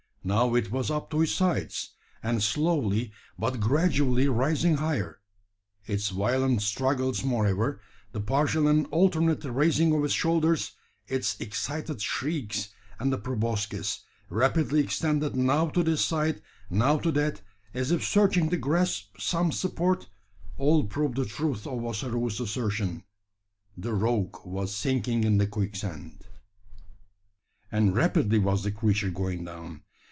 Now it was up to its sides, and slowly but gradually rising higher. Its violent struggles, moreover the partial and alternate raising of its shoulders, its excited shrieks and the proboscis, rapidly extended now to this side, now to that, as if searching to grasp some support all proved the truth of Ossaroo's assertion the rogue was sinking in the quicksand. And rapidly was the creature going down.